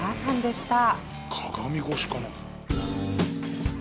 鏡越しかな？